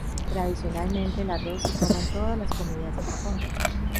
Tradicionalmente el arroz se toma en todas las comidas en Japón.